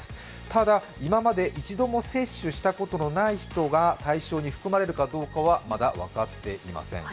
ただ、今まで一度も接種したことがない人が対象に含まれるかどうかはまだ分かっていません。